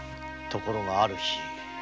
ところがある日。